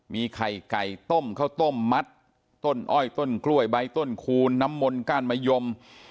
มีไข่ไก่ต้มข้าวต้มมัดต้นอ้อยต้นกล้วยใบต้นคูณน้ำมนต์ก้านมะยม